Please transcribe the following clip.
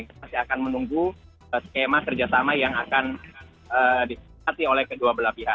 kita masih akan menunggu skema kerjasama yang akan disepakati oleh kedua belah pihak